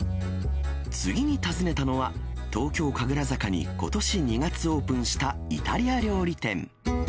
次に訪ねたのは、東京・神楽坂にことし２月オープンしたイタリア料理店。